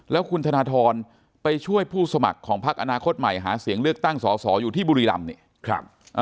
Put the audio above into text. แล้วคุณธนทรไปช่วยผู้สมัครของพักอนาคตใหม่หาเสียงเลือกตั้งสอสออยู่ที่บุรีรำเนี่ย